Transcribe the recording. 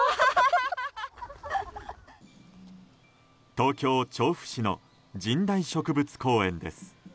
東京・調布市の神代植物公園です。